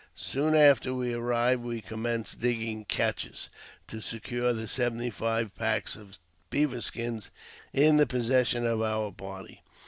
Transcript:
Soon after we arrived we commenced digging caches to secure the seventy five packs of beaver skins in the posses sion of our party.